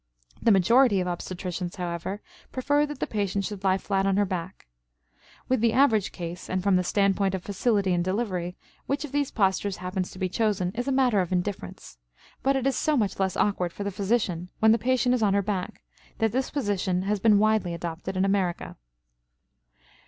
The majority of obstetricians, however, prefer that the patient should lie flat on her back. With the average case, and from the standpoint of facility in delivery, which of these postures happens to be chosen is a matter of indifference. But it is so much less awkward for the physician when the patient is on her back that this position has been widely adopted in America.